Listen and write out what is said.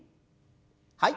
はい。